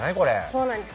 そうなんです